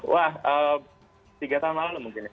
wah tiga tahun lalu mungkin ya